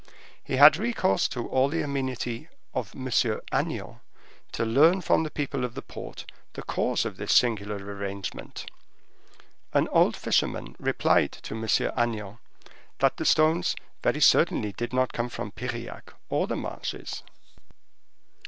He had recourse to all the amenity of M. Agnan to learn from the people of the port the cause of this singular arrangement. An old fisherman replied to M. Agnan, that the stones very certainly did not come from Piriac or the marshes.